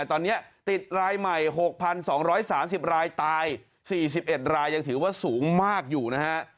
ตอนนี้ติดรายใหม่๖๒๓๐รายตาย๔๑รายยังถือว่าสูงมากอยู่นะฮะ